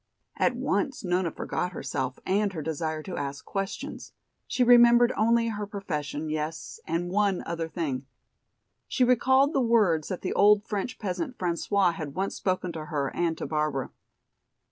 At once Nona forgot herself and her desire to ask questions. She remembered only her profession, yes, and one other thing. She recalled the words that the old French peasant, François, had once spoken to her and to Barbara.